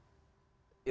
stensi teman teman psi